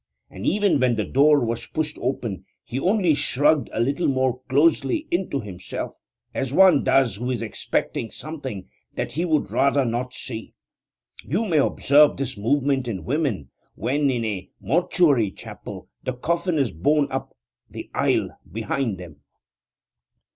And even when the door was pushed open he only shrugged a little more closely into himself, as one does who is expecting something that he would rather not see. You may observe this movement in women when, in a mortuary chapel, the coffin is borne up the aisle behind them.